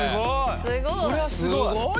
すごい！